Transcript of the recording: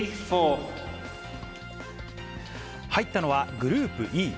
入ったのは、グループＥ。